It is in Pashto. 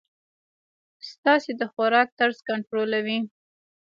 ستاسي د خوراک طرز کنټرولوی.